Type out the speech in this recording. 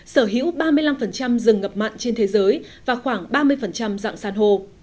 sở hữu ba mươi năm rừng ngập mặn trên thế giới và khoảng ba mươi dạng sàn hồ